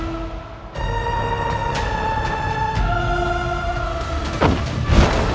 maka raden akan menunjukkan bahwa itu adalah kejahatan